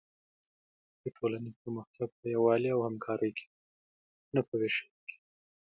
د ټولنې پرمختګ په یووالي او همکارۍ کې دی، نه په وېشلو کې.